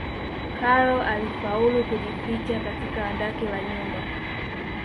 karol alifaulu kujificha katika andaki la nyumba